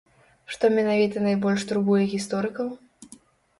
Што менавіта найбольш турбуе гісторыкаў?